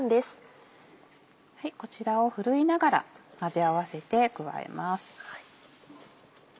こちらを振るいながら混ぜ合わせて加えます。